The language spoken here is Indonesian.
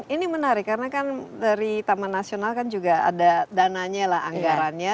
ini menarik karena kan dari taman nasional kan juga ada dananya lah anggarannya